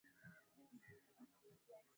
Niko na watoto wawili